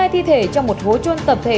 bốn mươi hai thi thể trong một hố chôn tập thể